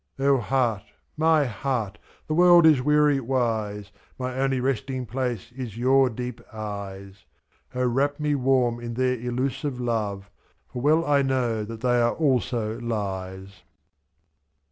6i O hearty my hearty the world is weary wise^ My only resting place is your deep eyeSy slO wrap me warm in their illusive love^ ^ For well I know that they are also lies.